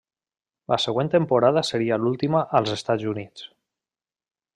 La següent temporada seria l'última als Estats Units.